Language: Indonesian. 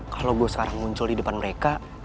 kalau gue sekarang muncul di depan mereka